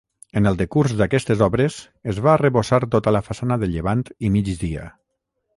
En el decurs d'aquestes obres es va arrebossar tota la façana de llevant i migdia.